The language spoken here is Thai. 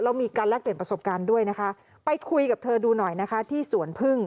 แล้วมีการแลกเปลี่ยนประสบการณ์ด้วยนะคะไปคุยกับเธอดูหน่อยนะคะที่สวนพึ่ง